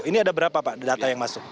ini ada berapa pak data yang masuk